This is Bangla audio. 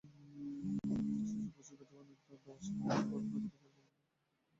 শিশুর পুষ্টিকর খাবারের জোগান দেওয়াসহ অন্যান্য খরচ মেটাতে পরিবারগুলোকে হিমশিম খেতে হয়।